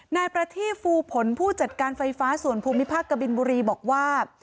นายประทีฟูผลผู้จัดการไฟฟ้าส่วนภูมิภาคกบินบุรีบอกว่า